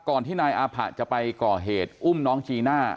ที่นายอาผะจะไปก่อเหตุอุ้มน้องจีน่า